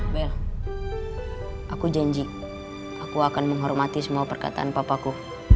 bell aku janji aku akan menghormati semua perkataan papaku